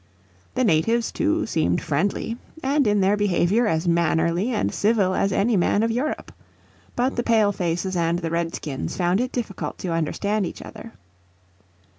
The natives, too, seemed friendly "and in their behaviour as mannerly and civil as any man of Europe." But the Pale faces and the Redskins found it difficult to understand each other.